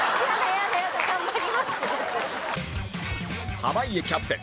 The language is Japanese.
濱家キャプテン